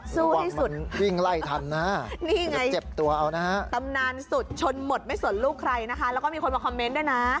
สู้ที่สุดนี่ไงตำนานสุดชนหมดไม่สนลูกใครนะคะแล้วก็มีคนมาคอมเมนต์ด้วยนะ